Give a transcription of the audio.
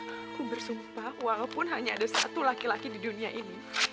aku bersumpah walaupun hanya ada satu laki laki di dunia ini